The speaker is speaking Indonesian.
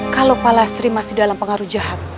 kalau pala sri masih dalam pengaruh jahat